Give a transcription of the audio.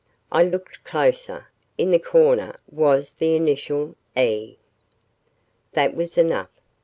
I looked closer. In the corner was the initial, "E." That was enough.